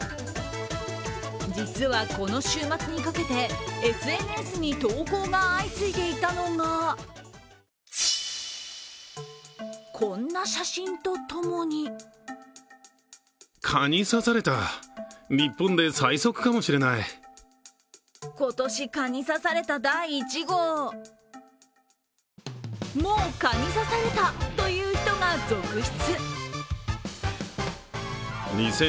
実は、この週末にかけてＳＮＳに投稿が相次いでいたのがこんな写真とともにもう蚊に刺されたという人が続出。